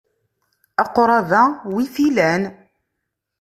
Aqṛab-a wi t-ilan?